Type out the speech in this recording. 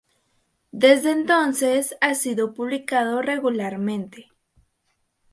Desde entonces ha sido publicado regularmente.